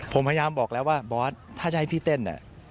ผมพยายามบอกแล้วว่าบอสถ้าจะให้พี่เต้น